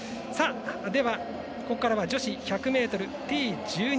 では、ここからは女子１００ｍＴ１２